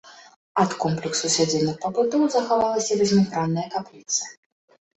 Ад комплексу сядзібных пабудоў захавалася васьмігранная капліца.